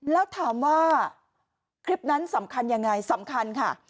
แล้วถามว่าคลิปนั้นสำคัญยังไงสำคัญค่ะ